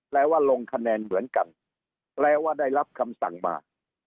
ว่าลงคะแนนเหมือนกันแปลว่าได้รับคำสั่งมา